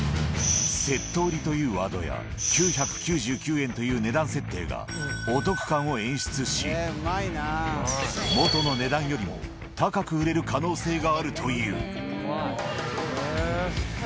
セット売りというワードや、９９９円という値段設定がお得感を演出し、元の値段よりも高く売れる可能性があるという。